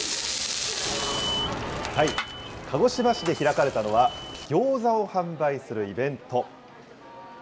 鹿児島市で開かれたのは、ギョーザを販売するイベント。